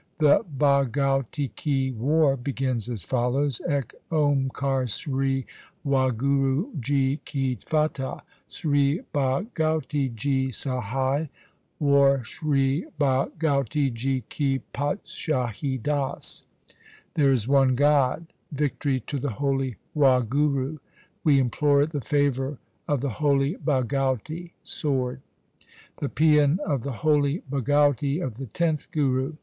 The Bhagauti ki War begins as follows : Ek oamkar Sri Wahguru ji ki fatah ! Sri Bhagauti ji sahai ! War Sri Bhagauti ji ki Patshahi das — There is one God. Victory to the holy Wahguru ! We implore the favour of the holy Bhagauti (Sword) ! The paean of the holy Bhagauti of the tenth Guru.